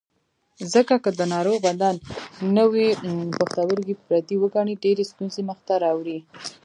ځکه که د ناروغ بدن نوی پښتورګی پردی وګڼي ډېرې ستونزې منځ ته راوړي.